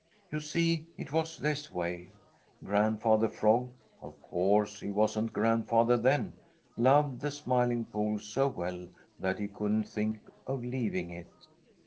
You see, it was this way: Grandfather Frog (of course he wasn't grandfather then) loved the Smiling Pool so well that he couldn't think of leaving it.